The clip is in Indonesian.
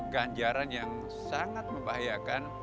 ganjaran yang sangat membahayakan